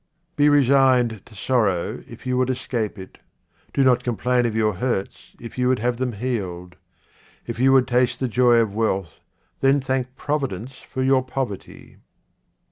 Be resigned to sorrow if you would escape it. Do not complain of your hurts if you would have them healed. If you would taste the joy 83 QUATRAINS OF OMAR KHAYYAM of wealth, then thank Providence for your poverty.